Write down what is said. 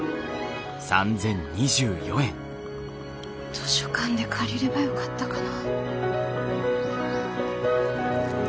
図書館で借りればよかったかな。